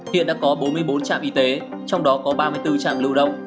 hiện đã có bốn mươi bốn trạm y tế trong đó có ba mươi bốn trạm lưu động